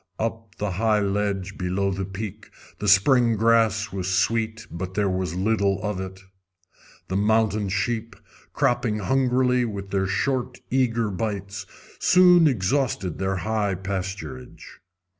Up on the high ledge below the peak the spring grass was sweet, but there was little of it. The mountain sheep, cropping hungrily with their short, eager bites, soon exhausted their high pasturage.